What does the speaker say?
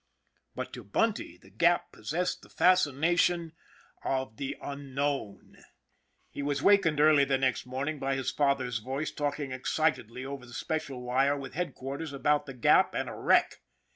But to Bunty the Gap possessed the fascination of 32 ON THE IRON AT BIG CLOUD the unknown. He was wakened early the next morn ing by his father's voice talking excitedly over the special wire with headquarters about the Gap and a wreck.